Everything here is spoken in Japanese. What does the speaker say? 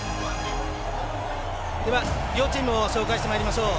では、両チームを紹介してまいりましょう。